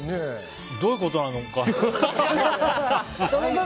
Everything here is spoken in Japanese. どういうことなのかな。